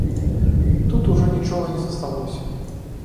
Тут ужо нічога не засталося.